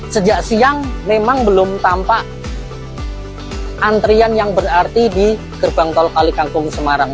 sejak siang memang belum tampak antrian yang berarti di gerbang tol kalikangkung semarang